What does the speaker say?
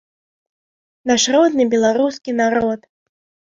Наш родны беларускі народ!